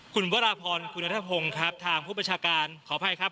คุณวราพรคุณนัทพงศ์ครับทางผู้ประชาการขออภัยครับ